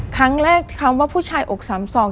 ครั้งแรกคำว่าผู้ชายอกสามสอง